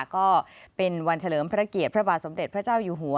ก็เป็นวันเฉลิมพระเกียรติพระบาทสมเด็จพระเจ้าอยู่หัว